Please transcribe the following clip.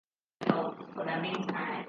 Alage omugaso n'ebirungi ebiri mu buko.